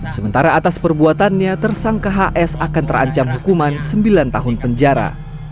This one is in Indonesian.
sementara atas perbuatannya tersangka hs akan terancam hukuman sembilan tahun penjara